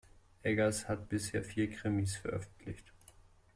Eggers hat bisher vier Krimis veröffentlicht.